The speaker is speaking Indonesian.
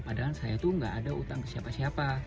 padahal saya tuh gak ada utang ke siapa siapa